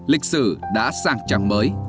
lịch sử đã sàng trang mới